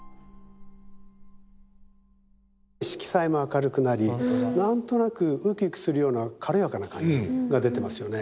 色彩も明るくなり何となくうきうきするような軽やかな感じが出てますよね。